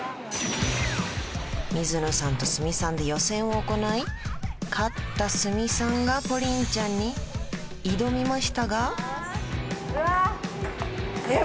水野さんと鷲見さんで予選を行い勝った鷲見さんがＰＯＲＩＮちゃんに挑みましたがえっ